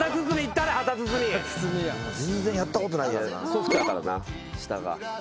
ソフトやからな下が。